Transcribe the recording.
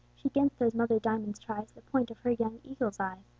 She 'gainst those mother diamonds tries The points of her young eagle's eyes.